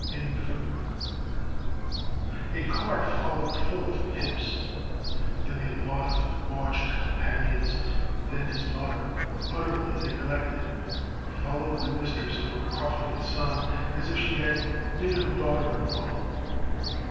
185 k THE WORLD'S FAMOUS ORATIONS lowed full of pimps; then a lot of debauched companions; and then his mother, utterly neg lected, followed the mistress of her profligate son, as if she had been her daughter in law.